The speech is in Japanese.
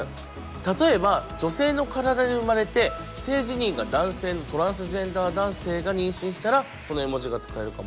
例えば女性の体で生まれて性自認が男性のトランスジェンダー男性が妊娠したらこの絵文字が使えるかも。